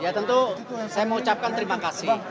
ya tentu saya mengucapkan terima kasih